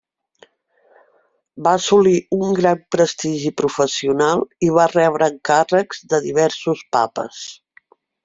Va assolir un gran prestigi professional i va rebre encàrrecs de diversos papes.